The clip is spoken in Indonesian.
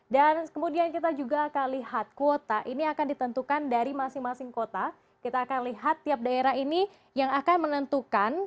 dan kemudian kita juga akan lihat kuota ini akan ditentukan dari masing masing kota kita akan lihat tiap daerah ini yang akan menentukan